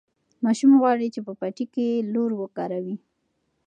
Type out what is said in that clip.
ماشوم غواړي چې په پټي کې لور وکاروي.